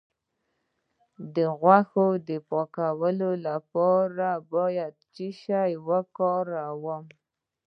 د غوښې د پاکوالي لپاره باید څه شی وکاروم؟